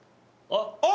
あっ。